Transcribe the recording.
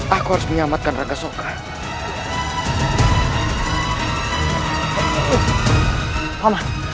aku harus menyelamatkan rangga sokka